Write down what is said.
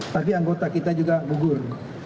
tapi anggota kita juga gugur